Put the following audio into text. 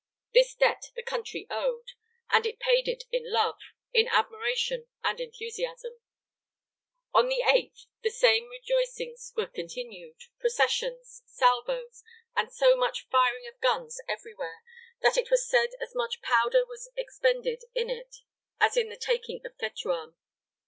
This debt the country owed, and it paid it in love, in admiration, and enthusiasm. On the 8th, the same rejoicings were continued; processions, salvos, and so much firing of guns everywhere, that it was said as much powder was expended in it as in the taking of Tetuan.